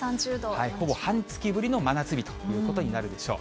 ほぼ半月ぶりの真夏日ということになるでしょう。